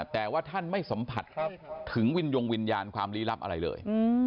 แต่ว่าท่านไม่สัมผัสถึงวิญญงวิญญาณความลี้ลับอะไรเลย